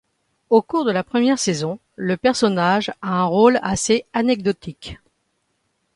Au cours de la première saison, le personnage a un rôle assez anecdotique.